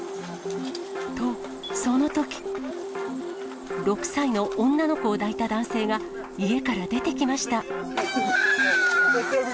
と、そのとき、６歳の女の子を抱いた男性が、家から出てきました。